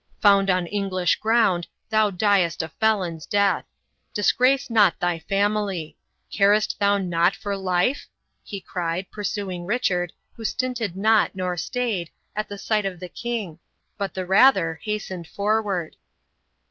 "Found on English ground, thou diest a felon's death. Disgrace not thy family. Carest thou not for life?" he cried, pursuing Richard, who stinted not, nor stayed, at the sight of the king, but the rather hasted forward.